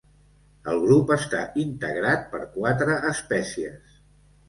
El grup està integrat per quatre espècies.